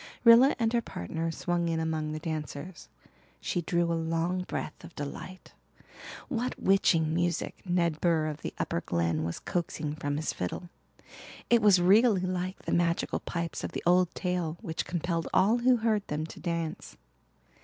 Rilla and her partner swung in among the dancers; she drew a long breath of delight; what witching music Ned Burr of the Upper Glen was coaxing from his fiddle it was really like the magical pipes of the old tale which compelled all who heard them to dance.